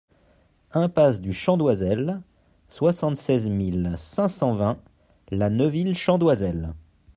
Impasse du Chant d'Oisel, soixante-seize mille cinq cent vingt La Neuville-Chant-d'Oisel